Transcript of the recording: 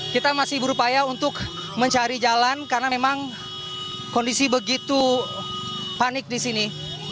kita masih berupaya untuk mencari jalan karena memang kondisi begitu panik di sini